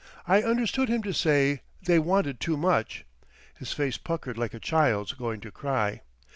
I understood him to say, "They wanted too much." His face puckered like a child's going to cry.